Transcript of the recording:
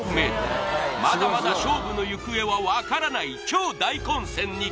まだまだ勝負の行方は分からない超大混戦に！